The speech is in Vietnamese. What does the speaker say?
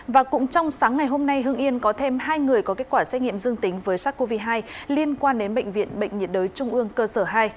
và cũng trong sáng ngày hôm nay hương yên có thêm hai người có kết quả xét nghiệm dương tính với sars cov hai liên quan đến bệnh viện bệnh nhiệt đới trung ương cơ sở hai